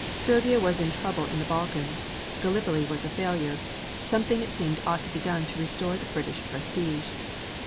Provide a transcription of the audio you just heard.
Serbia was in trouble in the Balkans, Gallipoli was a failure, something it seemed ought to be done to restore the British prestige.